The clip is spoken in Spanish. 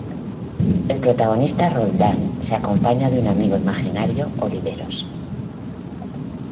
El protagonista Roldán se acompaña de un amigo imaginario, Oliveros.